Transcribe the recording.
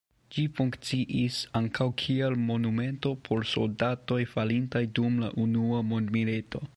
Ĝi funkciis ankaŭ kiel monumento por soldatoj falintaj dum la Unua mondmilito.